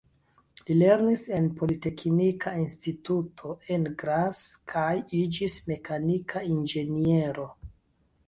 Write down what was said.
Li lernis en Politeknika Instituto, en Graz, kaj iĝis mekanika inĝeniero.